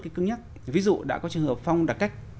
cái cưng nhắc ví dụ đã có trường hợp phong đặc cách